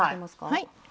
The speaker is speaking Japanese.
はい。